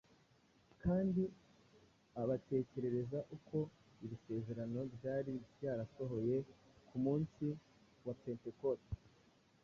kandi abatekerereza uko iri sezerano ryari ryarasohoye ku munsi wa Pentekote.